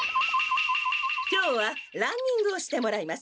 今日はランニングをしてもらいます。